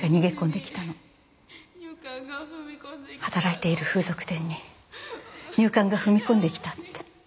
働いている風俗店に入管が踏み込んできたって。